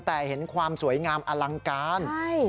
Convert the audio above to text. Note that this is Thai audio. แต่เห็นความสวยงามอลังการ